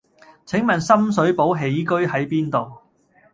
請問深水埗喜居喺邊度？